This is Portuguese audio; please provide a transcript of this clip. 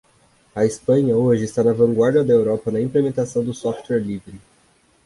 A Espanha hoje está na vanguarda da Europa na implementação do software livre.